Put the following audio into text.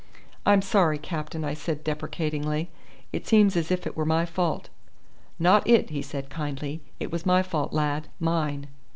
"I'm sorry, captain," I said deprecatingly. "It seems as if it were my fault." "Not it," he said kindly. "It was my fault, lad mine."